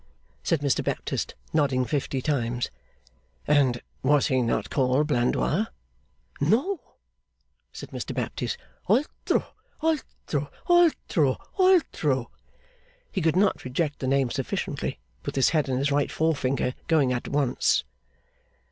said Mr Baptist, nodding fifty times. 'And was he not called Blandois?' 'No!' said Mr Baptist. 'Altro, Altro, Altro, Altro!' He could not reject the name sufficiently, with his head and his right forefinger going at once.